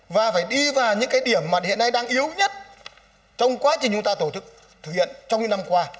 và phải đi vào những cái điểm mà hiện nay đang yếu nhất trong quá trình chúng ta tổ chức thực hiện trong những năm qua